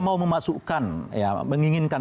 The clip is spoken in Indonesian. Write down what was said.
mau memasukkan menginginkan